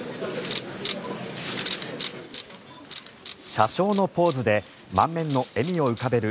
車掌のポーズで満面の笑みを浮かべる